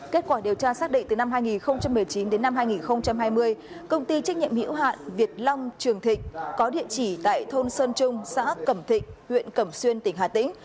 kết quả điều tra xác định từ năm hai nghìn một mươi chín đến năm hai nghìn hai mươi công ty trách nhiệm hiểu hạn việt long trường thịnh có địa chỉ tại thôn sơn trung xã cẩm thịnh huyện cẩm xuyên tỉnh hà tĩnh